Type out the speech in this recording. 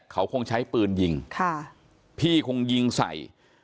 เขาคงใช้ปืนยิงพี่ให้ยิงใส่